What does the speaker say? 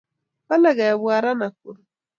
kole kebwa ra Nakuru